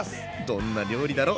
どんな料理だろ？